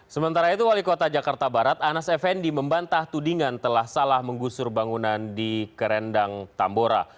sementara itu wali kota jakarta barat anas effendi membantah tudingan telah salah menggusur bangunan di kerendang tambora